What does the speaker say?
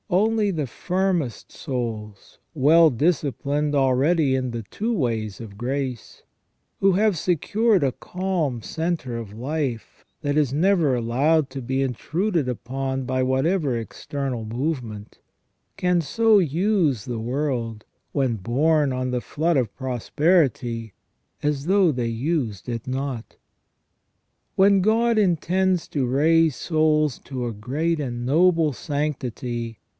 Only the firmest souls, well disciplined already in the two ways of grace, who have secured a calm centre of life that is never allowed to be intruded upon by whatever external movement, can so use the world, when borne on the flood of prosperity, as though they used it not. When God intends to raise souls to a great and noble sanctity.